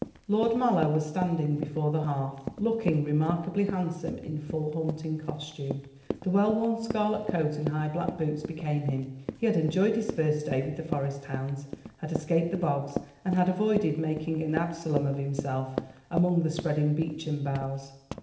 Lord Mallow was standing before the hearth, looking remarkably handsome in full hunting costume. The well worn scarlet coat and high black boots became him. He had enjoyed his first day with the Forest hounds, had escaped the bogs, and had avoided making an Absalom of himself among the spreading beechen boughs.